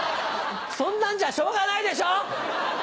そんなんじゃしょうがないでしょ！